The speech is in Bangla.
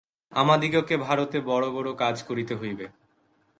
আমাদিগকে ভারতে বড় বড় কাজ করিতে হইবে।